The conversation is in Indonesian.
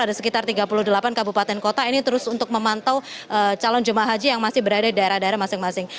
ada sekitar tiga puluh delapan kabupaten kota ini terus untuk memantau calon jemaah haji yang masih berada di daerah daerah masing masing